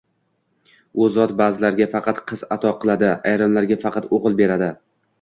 U Zot ba’zilarga faqat qiz ato qiladi, ayrimlarga faqat o‘g‘il beradi.